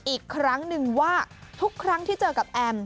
อีกครั้งหนึ่งว่าทุกครั้งที่เจอกับแอม